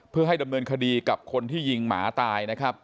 เพื่อให้ดำเนินคดีกับคนที่ยิงหมาตายนะครับ